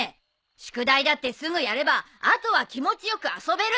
宿題だってすぐやれば後は気持ちよく遊べる。